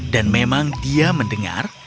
dan memang dia mendengar